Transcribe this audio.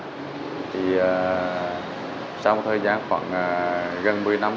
thì sau một thời gian khoảng gần một mươi năm